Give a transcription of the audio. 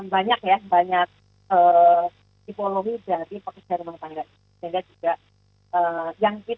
banyak ya banyak